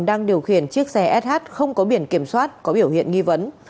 đang điều khiển chiếc xe sh không có biển kiểm soát có biểu hiện nghi vấn